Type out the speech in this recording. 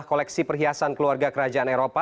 kita bergeser ke eropa